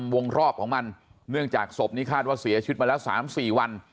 วงรอบของมันเนื่องจากศพนี้คาดว่าเสียชีวิตมาแล้ว๓๔วัน